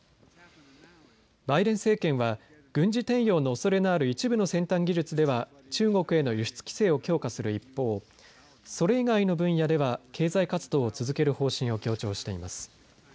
バイデン政権は軍事転用のおそれのある一部の先端技術では中国への輸出規制を強化する一方、それ以外の分野では経済活動を続ける方針を強調しています。